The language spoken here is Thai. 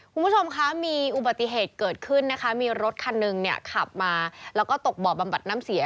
คุณผู้ชมคะมีอุบัติเหตุเกิดขึ้นนะคะมีรถคันหนึ่งเนี่ยขับมาแล้วก็ตกบ่อบำบัดน้ำเสีย